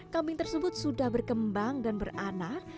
kambing tersebut sudah berkembang dan beranah